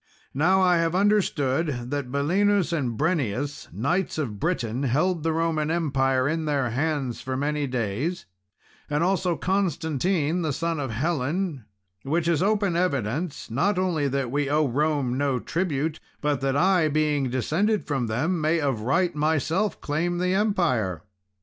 Now, I have understood that Belinus and Brennius, knights of Britain, held the Roman Empire in their hands for many days, and also Constantine, the son of Helen, which is open evidence, not only that we owe Rome no tribute, but that I, being descended from them, may, of right, myself claim the empire."